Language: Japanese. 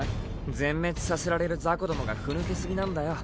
全滅させられるザコどもがふぬけすぎなんだよ。